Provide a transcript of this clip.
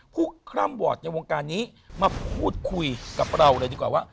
คร่ำวอร์ดในวงการนี้มาพูดคุยกับเราเลยดีกว่าว่า